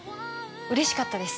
嬉しかったです